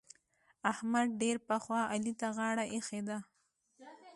احمد ډېر پخوا علي ته غاړه اېښې ده.